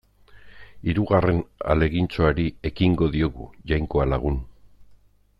Hirugarren ahalegintxoari ekingo diogu, Jainkoa lagun.